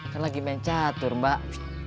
kan lagi mecah tur mbak